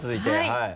はい。